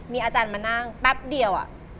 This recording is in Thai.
มีอาจารย์มานั่งแป๊บเดียว